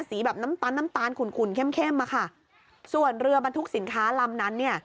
สีแบบน้ำตาลน้ำตาลขุนขุ่นเข้มเข้มอ่ะค่ะส่วนเรือบรรทุกสินค้าลำนั้นเนี่ย